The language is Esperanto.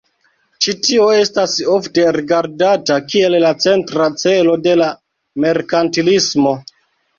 Ĉi tio estas ofte rigardata kiel la centra celo de la merkantilismo.